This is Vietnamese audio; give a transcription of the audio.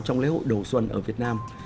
trong lễ hội đầu xuân ở việt nam